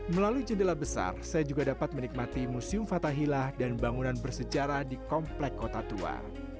melalui jendela besar saya juga dapat menikmati museum fathahillah dan bangunan bersejarah di komplek kota tua